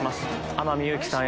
天海祐希さん